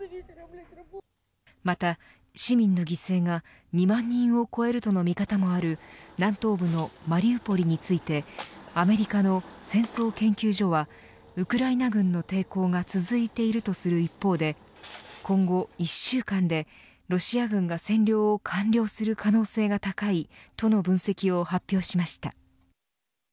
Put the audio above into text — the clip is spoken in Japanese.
また、市民の犠牲が２万人を超えるとの見方もある南東部のマリウポリについてアメリカの戦争研究所はウクライナ軍の抵抗が続いているとする一方で今後１週間でロシア軍が占領を完了する可能性が高い、との分析を発表しました。